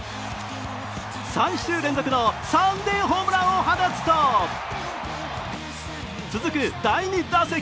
３週連続のサンデーホームランを放つと、続く第２打席。